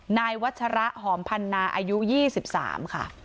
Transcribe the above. นายวัชระหอมพันนาอายุ๒๓ค่ะ